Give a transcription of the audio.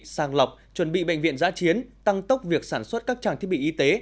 sàng lọc chuẩn bị bệnh viện giã chiến tăng tốc việc sản xuất các trang thiết bị y tế